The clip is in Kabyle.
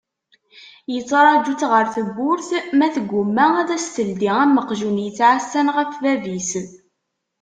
Yettraǧu-tt ɣer tewwurt ma tgumma ad as-teldi am uqjun yettɛassan ɣef bab-is.